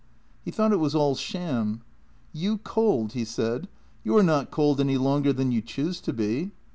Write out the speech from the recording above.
He thought it was all sham. 'You cold!' he said; 'you are not cold any longer than you choose to be.